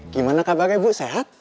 gimana kabarnya bu sehat